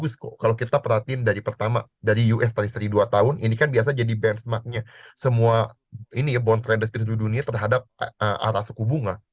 semua bond traders di seluruh dunia terhadap arah suku bunga